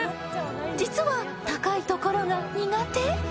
［実は高いところが苦手？］